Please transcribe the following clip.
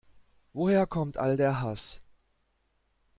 Woher kommt all der Hass?